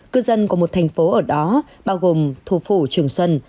cư dân của một thành phố ở đó bao gồm thủ phủ trường xuân